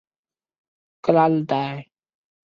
戈拉日代。